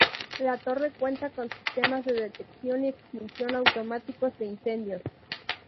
La torre cuenta con sistemas de detección y extinción automáticos de incendios.